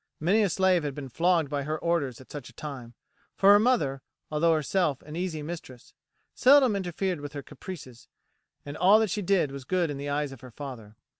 Many a slave had been flogged by her orders at such a time, for her mother, although herself an easy mistress, seldom interfered with her caprices, and all that she did was good in the eyes of her father.